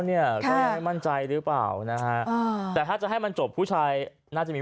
เนี่ยก็ยังไม่มั่นใจหรือเปล่านะฮะอ่าแต่ถ้าจะให้มันจบผู้ชายน่าจะมี